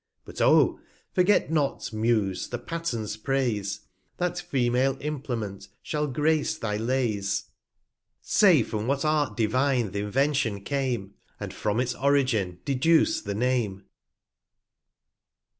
But, O ! forget not, Muse, the Tat ten's Praise, That female Implement shall grace thy Lays j 220 I mm rtyw/; 14. R I r I A ii Say from what Art Divine th' Invention came, And from its Origine deduce the Name.